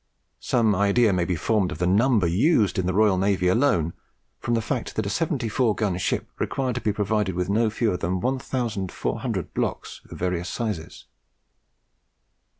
Some idea may be formed of the number used in the Royal Navy alone, from the fact that a 74 gun ship required to be provided with no fewer than 1400 blocks of various sizes.